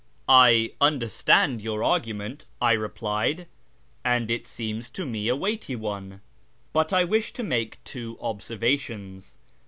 " I understand your argument," I replied, " and it seems to me a weighty one. But I wish to make two observations.